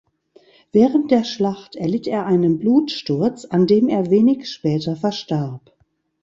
Während der Schlacht erlitt er einen Blutsturz, an dem er wenig später verstarb.